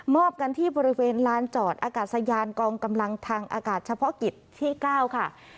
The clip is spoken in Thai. กันที่บริเวณลานจอดอากาศยานกองกำลังทางอากาศเฉพาะกิจที่๙ค่ะ